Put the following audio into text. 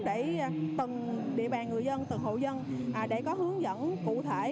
để từng địa bàn người dân từng hộ dân để có hướng dẫn cụ thể